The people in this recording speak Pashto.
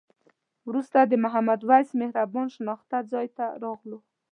وروسته د محمد وېس مهربان شناخته ځای ته راغلو.